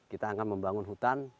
kita akan membangun hutan